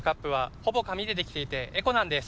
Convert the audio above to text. ほぼ紙でできていてエコなんです。